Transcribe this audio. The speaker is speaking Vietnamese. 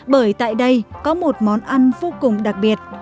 bởi tại đây có một món ăn vô cùng đặc biệt